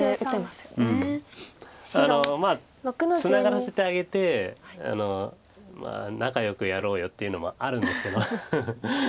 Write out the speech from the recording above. ツナがらせてあげてまあ仲よくやろうよっていうのもあるんですけど。